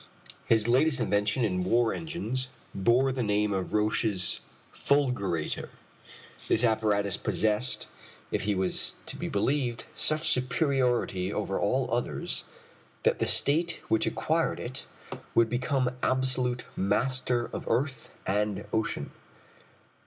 His latest invention in war engines bore the name of Roch's Fulgurator. This apparatus possessed, if he was to be believed, such superiority over all others, that the State which acquired it would become absolute master of earth and ocean.